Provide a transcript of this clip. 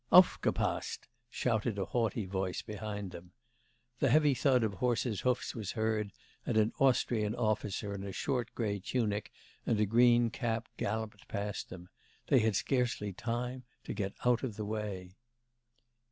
'Aufgepasst!' shouted a haughty voice behind them. The heavy thud of horse's hoofs was heard, and an Austrian officer in a short grey tunic and a green cap galloped past them they had scarcely time to get out of the way.